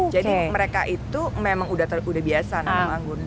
jadi mereka itu memang sudah biasa menanam anggur